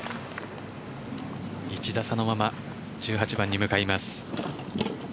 １打差のまま１８番に向かいます。